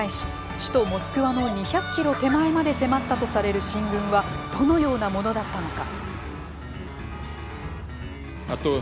首都モスクワの２００キロ手前まで迫ったとされる進軍はどのようなものだったのか。